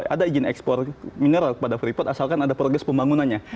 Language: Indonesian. ada izin ekspor mineral kepada freeport asalkan ada progres pembangunannya